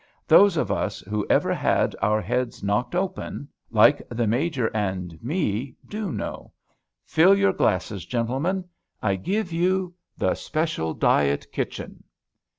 Those of us who ever had our heads knocked open, like the Major and me, do know. Fill your glasses, gentlemen; I give you 'the Special Diet Kitchen.'"